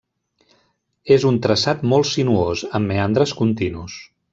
És un traçat molt sinuós, amb meandres continus.